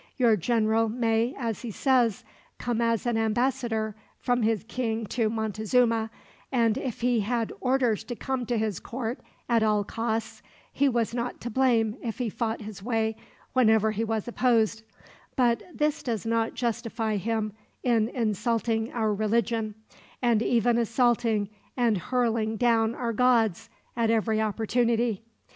Your general may, as he says, come as an ambassador from his king to Montezuma; and if he had orders to come to his court, at all costs, he was not to blame if he fought his way whenever he was opposed; but this does not justify him in insulting our religion, and even assaulting and hurling down our gods, at every opportunity.